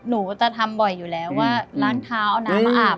หนูจะทำบ่อยอยู่แล้วว่าล้างเท้าเอาน้ำมาอาบ